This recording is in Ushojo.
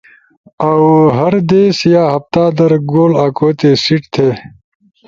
اؤ ہردیس یا ہفتہ در گول آکوتے سیٹ تھے۔